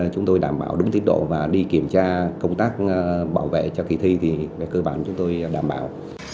chúng tôi đảm bảo đúng tiến độ và đi kiểm tra công tác bảo vệ cho kỳ thi thì về cơ bản chúng tôi đảm bảo